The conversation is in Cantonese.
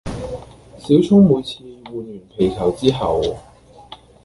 小聰每次玩完皮球之後